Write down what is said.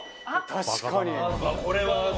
「確かに！」